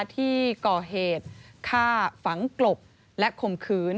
ที่ก่อเหตุฆ่าฝังกลบและข่มขืน